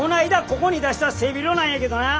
ここに出した背広なんやけどな